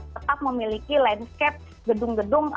tetap memiliki landscape gedung gedung